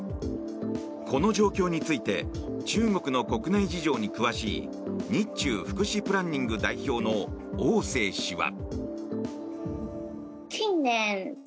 この状況について中国の国内事情に詳しい日中福祉プランニング代表のオウ・セイ氏は。